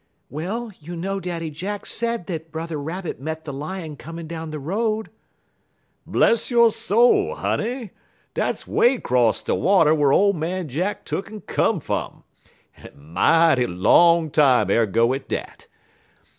"Well, you know Daddy Jack said that Brother Rabbit met the Lion coming down the road." "Bless yo' soul, honey! dat's 'way 'cross de water whar ole man Jack tuck'n come fum, en a mighty long time ergo at dat.